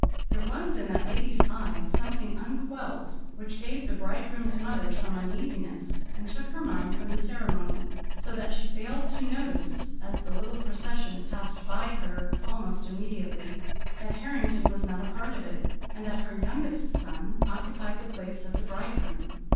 There was in that lady's eye something unquelled which gave the bridegroom's mother some uneasiness and took her mind from the ceremony, so that she failed to notice as the little procession passed by her almost immediately, that Harrington was not a part of it, and that her youngest son occupied the place of the bridegroom.